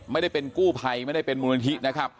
ไม่ได้เป็นกู้ภัยไม่ได้เป็นมูลนิธินะครับ